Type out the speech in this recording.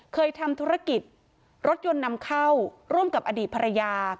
เคยทำธุรกิจรถยนต์นำเข้าร่วมกับอดีตภรรยา